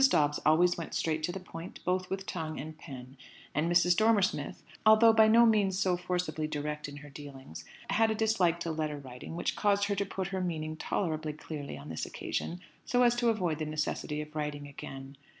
Dobbs always went straight to the point, both with tongue and pen; and Mrs. Dormer Smith, although by no means so forcibly direct in her dealings, had a dislike to letter writing, which caused her to put her meaning tolerably clearly on this occasion, so as to avoid the necessity of writing again.